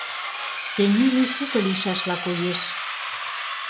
Тений мӱй шуко лийшашла коеш.